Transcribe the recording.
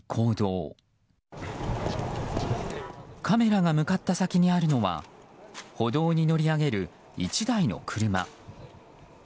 カメラが向かった先にあるのは歩道に乗り上げる１台の車。